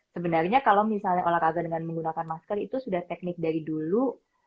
sebenarnya kalau misalnya olahraga dengan menggunakan masker itu sudah teknik dari dulu